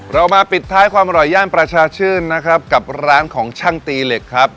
เรามาปิดท้ายความอร่อยย่านประชาชื่นนะครับกับร้านของช่างตีเหล็กครับ